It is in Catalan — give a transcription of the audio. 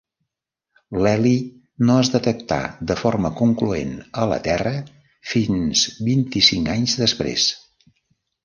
L'heli no es detectà de forma concloent a la Terra fins vint-i-cinc anys després.